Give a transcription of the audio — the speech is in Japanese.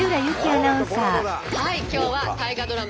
はい今日は大河ドラマ